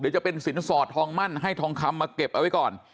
เดี๋ยวจะเป็นสินสอดทองมั่นให้ทองคำมาเก็บเอาไว้ก่อน